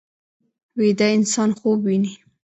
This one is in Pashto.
ویده انسان خوب ویني